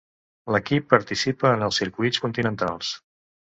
L'equip participa en els circuits continentals.